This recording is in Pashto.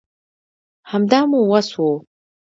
همدا مو وس وو